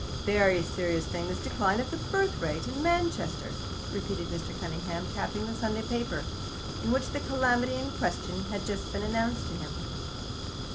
"Very serious thing this decline of the birth rate in Manchester," repeated Mr. Cunningham, tapping the Sunday paper, in which the calamity in question had just been announced to him.